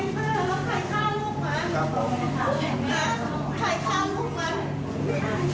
มันไม่ถามลูกมันมันไม่ใช่มันทำหวานกูทำไม